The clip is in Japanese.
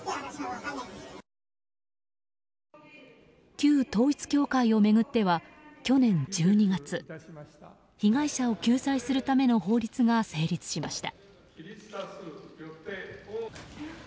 旧統一教会を巡っては去年１２月被害者を救済するための法律が成立しました。